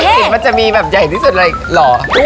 เล่ากลิปมันจะมีแบบใหญ่ที่สุดแหละเหรอ